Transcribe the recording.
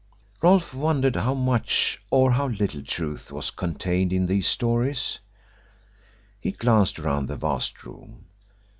Rolfe wondered how much or how little truth was contained in these stories. He glanced around the vast room.